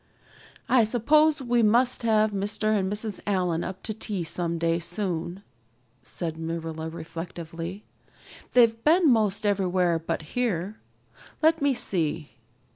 "I suppose we must have Mr. and Mrs. Allan up to tea someday soon," said Marilla reflectively. "They've been most everywhere but here. Let me see.